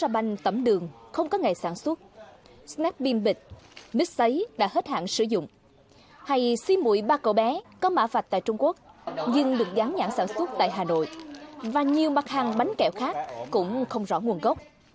bánh tẩm đường không có ngày sản xuất snap pin bịt mít xấy đã hết hạn sử dụng hay xi mũi ba cậu bé có mã vạch tại trung quốc nhưng được dám nhãn sản xuất tại hà nội và nhiều mặt hàng bánh kẹo khác cũng không rõ nguồn gốc